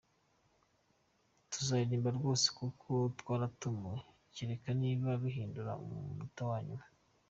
Tuzaririmba rwose kuko twaratumiwe, kereka nibabihindura ku munota wa nyuma.